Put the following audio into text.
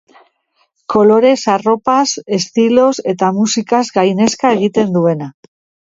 Kolorez, arropaz, estiloz eta musikaz gainezka egiten duena.